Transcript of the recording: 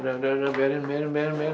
udah udah udah biarin bianin bianin